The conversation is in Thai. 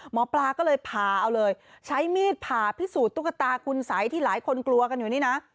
หมอปลาก็เลยพาเอาเลยใช้มีดผ่าพิสูจน์ตุ๊กตาคุณสัยที่หลายคนกลัวกันอยู่นี่นะ